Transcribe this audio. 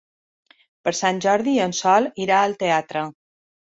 Per Sant Jordi en Sol irà al teatre.